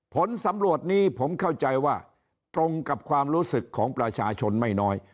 ผลสำรวจนี้ผมเข้าใจว่าตรงกับความรู้สึกของประชาชนไม่น้อย